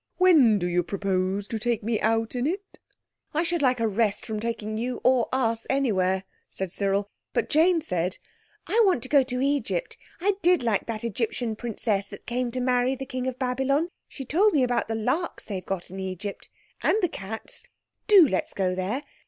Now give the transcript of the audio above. When do you propose to take me out in it?" "I should like a rest from taking you or us anywhere," said Cyril. But Jane said— "I want to go to Egypt. I did like that Egyptian Princess that came to marry the King in Babylon. She told me about the larks they have in Egypt. And the cats. Do let's go there.